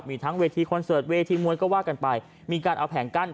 มีทั้งเวทีคอนเสิร์ตเวทีมวยก็ว่ากันไปมีการเอาแผงกั้น